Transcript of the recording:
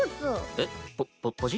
えっ？ポポポジ？